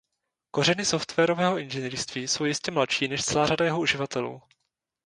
Kořeny softwarového inženýrství jsou jistě mladší než celá řada jeho uživatelů.